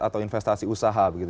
atau investasi usaha begitu